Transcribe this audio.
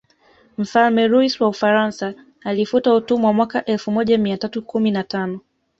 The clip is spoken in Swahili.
Mfalme Luis wa Ufaransa alifuta utumwa mwaka elfu moja mia tatu kumi na tano